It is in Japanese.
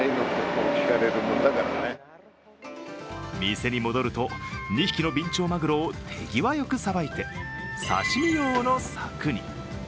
店に戻ると、２匹のビンチョウマグロを手際よくさばいて、刺身用の柵に。